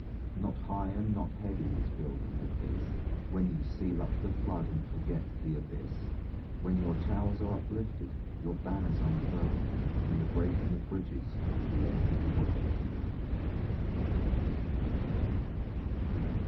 Not high and not heavy Is building of his: When ye seal up the flood And forget the abyss, When your towers are uplifted, Your banners unfurled, In the breaking of bridges Is the end of the world.